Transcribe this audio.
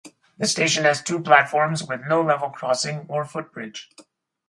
The station has two platforms with no level crossing or footbridge.